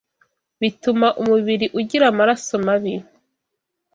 bituma umubiri ugira amaraso mabi